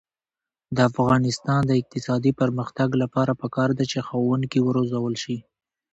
د افغانستان د اقتصادي پرمختګ لپاره پکار ده چې ښوونکي وروزل شي.